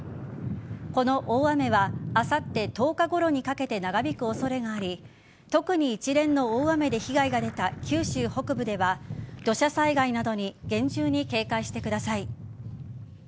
この大雨はあさって１０日ごろにかけて長引く恐れがあり特に一連の大雨で被害が出た九州北部では土砂災害などに厳重に警戒してください。